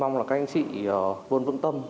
mong là các anh chị luôn vững tâm